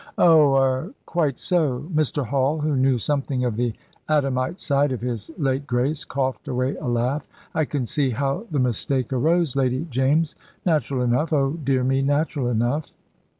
"Oh er quite so." Mr. Hall, who knew something of the Adamite side of his late Grace, coughed away a laugh. "I can see how the mistake arose, Lady James. Natural enough oh, dear me natural enough."